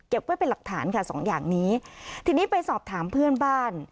ไว้เป็นหลักฐานค่ะสองอย่างนี้ทีนี้ไปสอบถามเพื่อนบ้าน